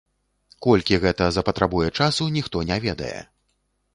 Колькі гэта запатрабуе часу, ніхто не ведае.